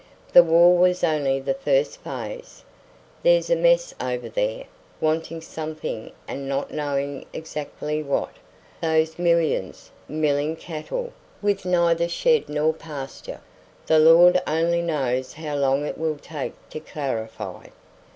The war was only the first phase. There's a mess over there; wanting something and not knowing exactly what, those millions; milling cattle, with neither shed nor pasture. The Lord only knows how long it will take to clarify.